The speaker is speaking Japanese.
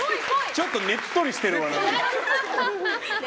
ちょっとねっとりしてるわ。